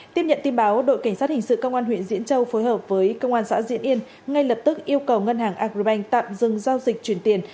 tiếp nhận tin báo đội cảnh sát hình sự công an huyện diễn châu phối hợp với công an xã diễn yên ngay lập tức yêu cầu ngân hàng agribank tạm dừng giao dịch chuyển tiền